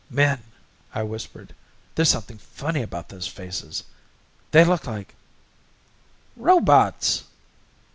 "Min!" I whispered. "There's something funny about those faces. They look like " "Robots!"